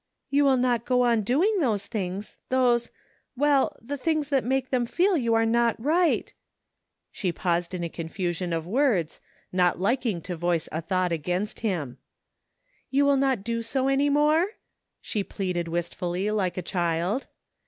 " You will not go on doing 88 THE FINDING OF JASPER HOLT those things — ^those — ^well — ^the things that made them feel you were not right She paused in a con fusion of words, not liking to voice a thought against him. " You will not do so any more? " She pleaded wistfully like a child.